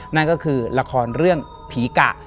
นั่นก็คือละครเรื่องผีกะ